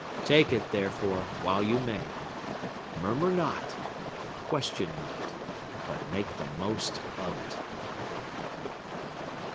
Take it, therefore, while you may. Murmur not,—question not,—but make the most of it!